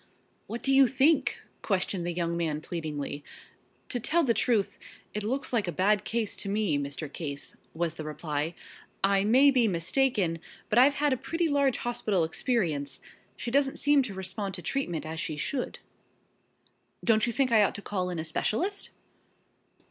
"What do you think?" questioned the young man pleadingly. "To tell the truth, it looks like a bad case to me, Mr. Case," was the reply. "I may be mistaken, but I've had a pretty large hospital experience. She doesn't seem to respond to treatment as she should." "Don't you think I ought to call in a specialist?"